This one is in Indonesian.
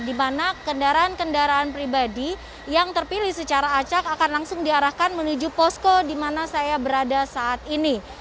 di mana kendaraan kendaraan pribadi yang terpilih secara acak akan langsung diarahkan menuju posko di mana saya berada saat ini